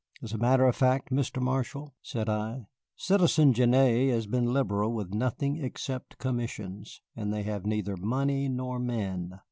"As a matter of fact, Mr. Marshall," said I, "Citizen Genêt has been liberal with nothing except commissions, and they have neither money nor men."